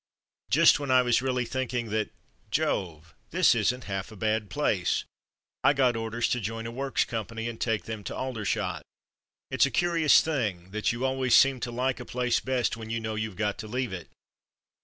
Just when I was really thinking that ''Jove, this isn't half a bad place," I got orders to join a Works company and take them to Aldershot. It's a curious thing, that you always seem to like a place best when you know you've got to leave it.